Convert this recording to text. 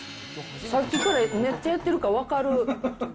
さっきからめっちゃやってるから分かる。